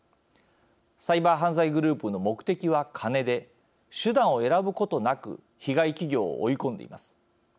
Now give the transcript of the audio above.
サイバー犯罪グループの目的は金で、手段を選ぶことなく被害企業を追い込んでいます。